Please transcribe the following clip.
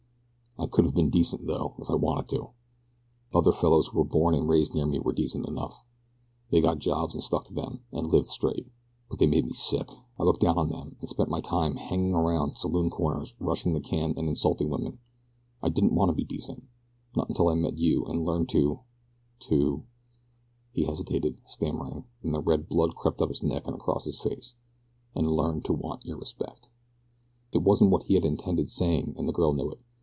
"I could have been decent, though, if I'd wanted to. Other fellows who were born and raised near me were decent enough. They got good jobs and stuck to them, and lived straight; but they made me sick I looked down on them, and spent my time hanging around saloon corners rushing the can and insulting women I didn't want to be decent not until I met you, and learned to to," he hesitated, stammering, and the red blood crept up his neck and across his face, "and learned to want your respect." It wasn't what he had intended saying and the girl knew it.